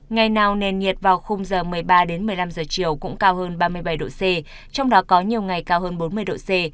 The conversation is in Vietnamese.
ngày nào nền nhiệt vào khung giờ một mươi ba đến một mươi năm giờ chiều cũng cao hơn ba mươi bảy độ c trong đó có nhiều ngày cao hơn bốn mươi độ c